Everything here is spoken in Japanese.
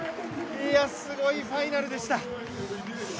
すごいファイナルでした。